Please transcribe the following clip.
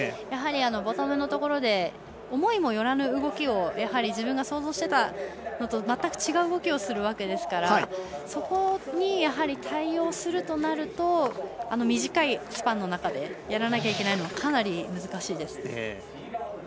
やはり、ボトムのところで思いもよらぬ動きをやはり自分が想像してたのと全く違う動きをするわけですからそこに対応するとなると短いスパンの中でやらなきゃいけないのもかなり難しいです。